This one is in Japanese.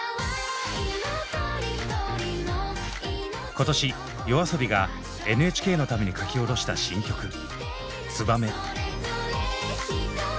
今年ＹＯＡＳＯＢＩがＮＨＫのために書き下ろした新曲「ツバメ」。